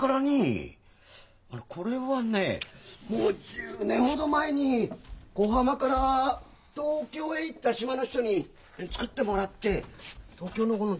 これはねもう１０年ほど前に小浜から東京へ行った島の人に作ってもらって東京の代理店と言うんですか？